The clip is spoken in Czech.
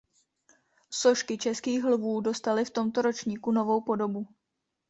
Sošky Českých lvů dostaly v tomto ročníku novou podobu.